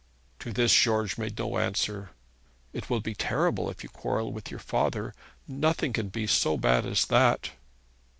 To this George made no answer. 'It will be terrible if you quarrel with your father. Nothing can be so bad as that.'